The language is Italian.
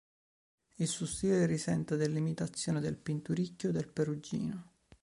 Il suo stile risente dell'imitazione del Pinturicchio e del Perugino.